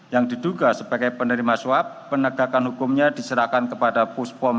yang akan diselesaikan oleh tim gabungan mikfebsi around the world